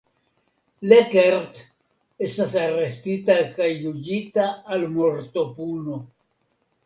Lekert estas arestita kaj juĝita al mortopuno.